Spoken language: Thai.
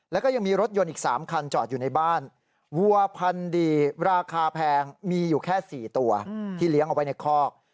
แล้วก็ยังมีรถยนต์อีก๓คันจอดอยู่ในบ้านวัวพันธุ์ดีราคาแพงมีอยู่แค่๔ตัวที่เลี้ยงเอาไว้ในคอก